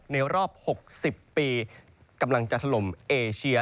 ในรอบ๖๐ปีกำลังจะถล่มเอเชีย